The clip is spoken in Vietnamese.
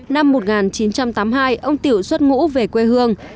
năm một nghìn chín trăm tám mươi hai ông tiểu xuất ngũ về quê hương